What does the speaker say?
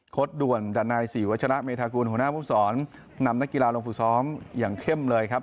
ด่วนดันัยศรีวัชระเมธากุลหัวหน้าผู้สอนนำนักกีฬาลงฝึกซ้อมอย่างเข้มเลยครับ